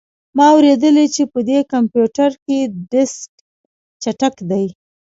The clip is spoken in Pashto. ما اوریدلي چې په دې کمپیوټر کې ډیسک چټک دی